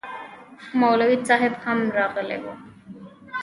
مولوي صاحب هم راغلی و